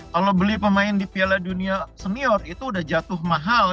kalau beli pemain di piala dunia senior itu udah jatuh mahal